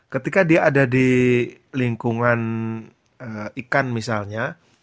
ketika dia ada di lingkungan ikan misalnya